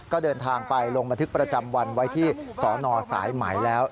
ก็เดินทางไปลงบันทึกประจำวันไว้ที่สนสายไหมแล้ว